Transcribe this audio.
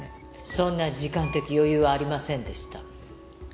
「そんな時間的余裕はありませんでした」